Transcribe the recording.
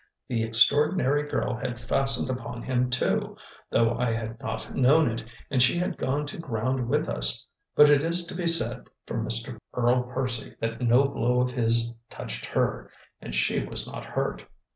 The extraordinary girl had fastened upon him, too, though I had not known it, and she had gone to ground with us; but it is to be said for Mr. Earl Percy that no blow of his touched her, and she was not hurt.